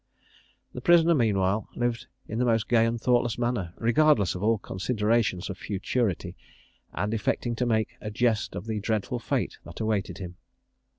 The prisoner meanwhile lived in the most gay and thoughtless manner, regardless of all considerations of futurity, and affecting to make a jest of the dreadful fate that awaited him.